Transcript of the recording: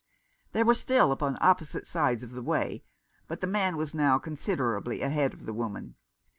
They were still upon opposite sides of the way, but the man was now considerably ahead of the woman.